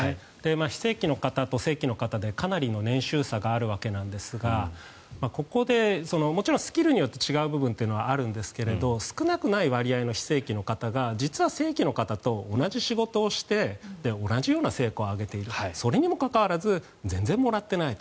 非正規の方と正規の方でかなりの年収差があるわけなんですがここで、もちろんスキルによって違う部分はあるんですが少なくない割合の非正規の方が実は正規の方と同じ仕事をして同じような成果を上げているそれにもかかわらず全然もらってない。